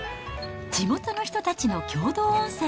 地元の人たちの共同温泉。